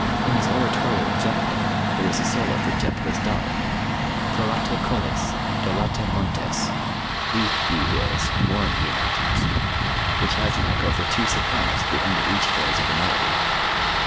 In his oratorio, "Jephtha," there is a solo for Jephtha's daughter, "Plorate colles, dolate montes" (Weep, ye hills; mourn, ye mountains), which has an echo for two sopranos at the end of each phrase of the melody.